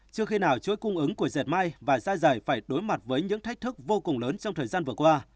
trước khi nào chuỗi cung ứng của dệt may và da dày phải đối mặt với những thách thức vô cùng lớn trong thời gian vừa qua